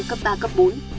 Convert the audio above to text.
gió đông nam cấp ba cấp bốn